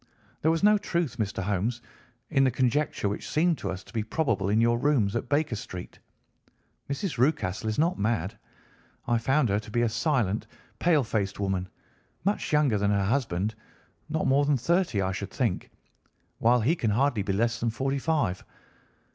There was no truth, Mr. Holmes, in the conjecture which seemed to us to be probable in your rooms at Baker Street. Mrs. Rucastle is not mad. I found her to be a silent, pale faced woman, much younger than her husband, not more than thirty, I should think, while he can hardly be less than forty five.